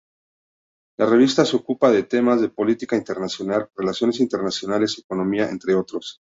La revista se ocupa de temas de política internacional, relaciones internacionales, economía, entre otros.